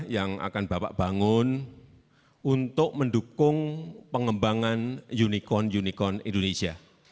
yang akan bapak bangun untuk mendukung pengembangan unicorn unicorn indonesia